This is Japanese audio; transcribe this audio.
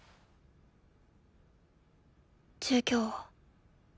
授業。